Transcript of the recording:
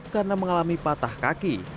karena mengalami patah kaki